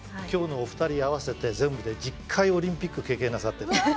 今日のお二人合わせて全部で１０回オリンピック経験なさってるの。